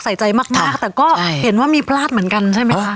ใส่ใจมากแต่ก็เห็นว่ามีพลาดเหมือนกันใช่ไหมคะ